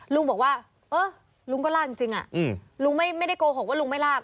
ลุงบอกว่าเออลุงก็ลากจริงลุงไม่ได้โกหกว่าลุงไม่ลาก